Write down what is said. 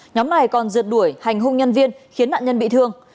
nhóm này còn dượt đuổi hành hung nhân viên khiến nạn nhân bị thương